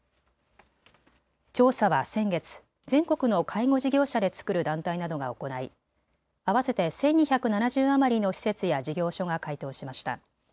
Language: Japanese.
調査は先月、全国の介護事業者で作る団体などが行い合わせて１２７０余りの施設や事業所が回答しました。